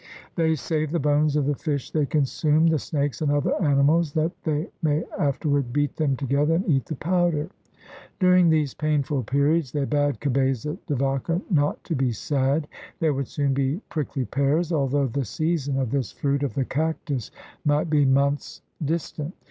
They save the bones of the fish they consume, the snakes and other animals, that they may after ward beat them together and eat the powder." During these painful periods, they bade Cabeza de Vaca "not to be sad. There would soon be prickly pears, although the season of this fruit of the cactus might be months distant.